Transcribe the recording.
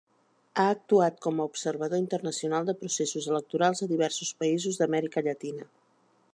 Ha actuat com a observador internacional de processos electorals a diversos països d'Amèrica Llatina.